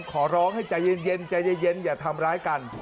ขอร้องให้ใจเย็นอย่าทำร้ายกัน